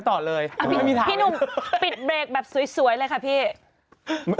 แต่ที่นุ่มปิดเบรกสวยเลยค่ะพี่